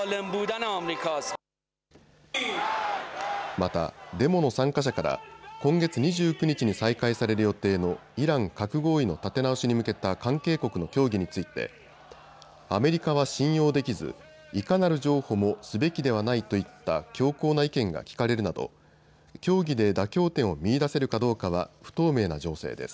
また、デモの参加者から今月２９日に再開される予定のイラン核合意の立て直しに向けた関係国の協議についてアメリカは信用できずいかなる譲歩もすべきではないといった強硬な意見が聞かれるなど協議で妥協点を見いだせるかどうかは不透明な情勢です。